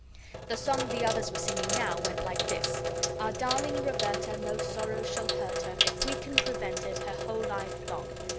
The song the others were singing now went like this: Our darling Roberta, No sorrow shall hurt her If we can prevent it Her whole life long.